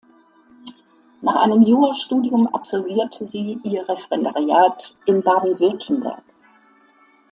Nach einem Jurastudium absolvierte sie ihr Referendariat in Baden-Württemberg.